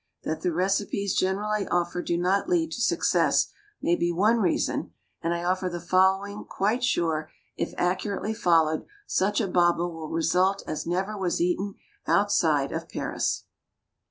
That the recipes generally offered do not lead to success may be one reason, and I offer the following, quite sure, if accurately followed, such a baba will result as never was eaten outside of Paris.